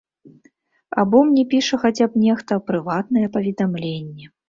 Або мне піша хаця б нехта прыватнае паведамленне.